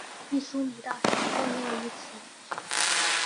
密苏里大学坐落于此。